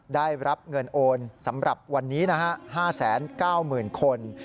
ได้รับเงินโอนสำหรับวันนี้นะฮะ๕๙๐๐๐คน